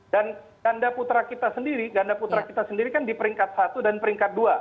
dan gada putra kita sendiri gada putra kita sendiri kan di peringkat satu dan peringkat dua